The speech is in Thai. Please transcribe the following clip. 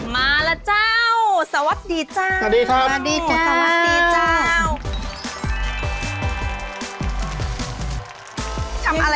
มาล่ะเจ้าสวัสดีเจ้า